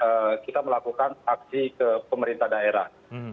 ketika kita melakukan aksi ke pemerintah daerah